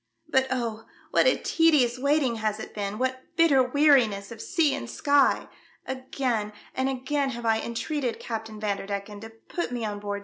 But, oh ! what a tedious waiting has it been, what bitter weariness of sea and sky ! Again and again have I entreated Captain Vanderdecken to put me on board I TALK WITH MISS IMOGENE DUDLEY.